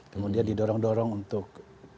kemudian didorong dorong untuk